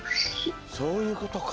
そういうことか。